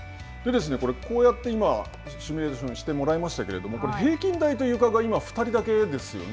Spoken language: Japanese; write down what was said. こうやって今、シミュレーションしてもらいましたけど、これ、平均台とゆかが今、２人だけですよね。